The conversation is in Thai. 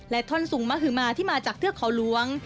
ท่อนสุงมหือมาที่มาจากเทือกเขาหลวง